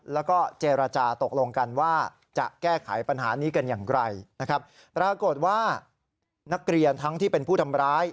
แล้วก็เจรจาตกลงกันว่าจะแก้ไขปัญหานี้กันอย่างไรนะครับปรากฏว่านักเรียนทั้งที่เป็นผู้ทำร้าย